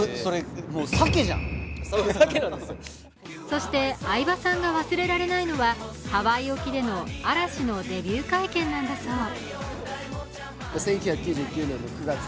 そして、相葉さんが忘れられないのはハワイ沖での嵐のデビュー会見なんだそう。